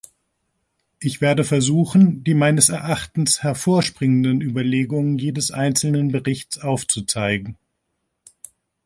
Ich werde versuchen, die meines Erachtens hervorspringenden Überlegungen jedes einzelnen Berichts aufzuzeigen.